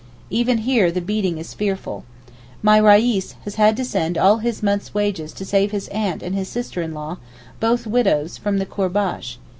Even here the beating is fearful. My Reis has had to send all his month's wages to save his aunt and his sister in law, both widows, from the courbash.